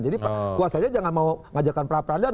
jadi kuasanya tidak mau mengajakkan para peradilan